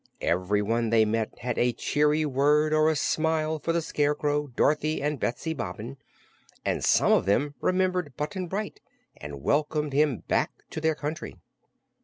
Everyone they met had a cheery word or a smile for the Scarecrow, Dorothy and Betsy Bobbin, and some of them remembered Button Bright and welcomed him back to their country.